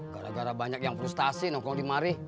gara gara banyak yang frustasi nongkong dimari